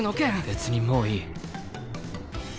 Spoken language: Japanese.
別にもういい。